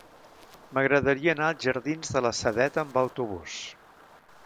M'agradaria anar als jardins de la Sedeta amb autobús.